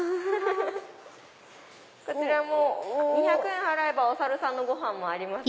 こちらも２００円払えばお猿さんのごはんもあります。